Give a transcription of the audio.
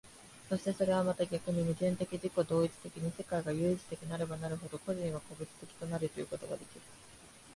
そしてそれはまた逆に矛盾的自己同一的に世界が唯一的なればなるほど、個物は個物的となるということができる。